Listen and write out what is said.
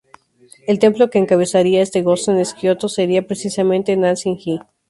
El templo que encabezaría este "Gozan" en Kioto sería precisamente Nanzen-ji.